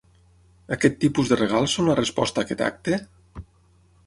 Aquest tipus de regals són la resposta a aquest acte?